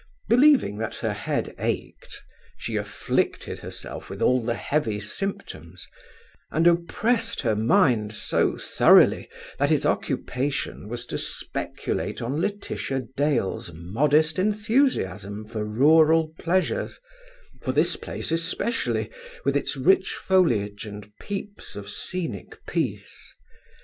Believing that her head ached, she afflicted herself with all the heavy symptoms, and oppressed her mind so thoroughly that its occupation was to speculate on Laetitia Dale's modest enthusiasm for rural pleasures, for this place especially, with its rich foliage and peeps of scenic peace.